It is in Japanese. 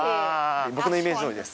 僕のイメージどおりです。